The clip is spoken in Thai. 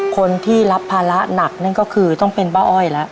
คนที่รับภาระหนักนั่นก็คือต้องเป็นป้าอ้อยแล้ว